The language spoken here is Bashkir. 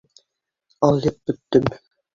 Алйып бөттөм.